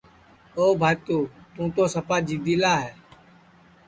او بھاتُو تُوں تو سپا جِدی لا ہے